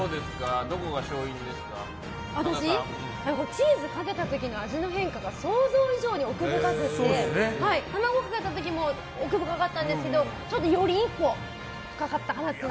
チーズをかけた時の味の変化が想像以上に奥深くって卵かけた時も奥深かったんですけどもより深かったかなと。